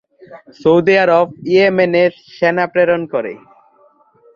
Saudi Arab ইয়েমেনে সেনা প্রেরণ করে।